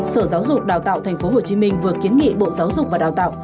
sở giáo dục đào tạo tp hcm vừa kiến nghị bộ giáo dục và đào tạo